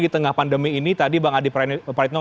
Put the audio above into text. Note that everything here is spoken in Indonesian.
di tengah pandemi ini tadi bang adi praitno